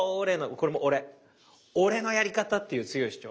これも俺俺のやり方っていう強い主張。